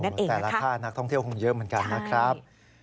แต่ละท่านักท่องเที่ยวคงเยอะเหมือนกันนะครับ